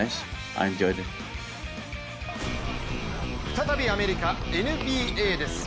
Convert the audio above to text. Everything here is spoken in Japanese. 再びアメリカ・ＮＢＡです。